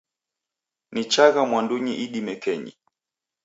Nichagha mwandunyi idime kenyi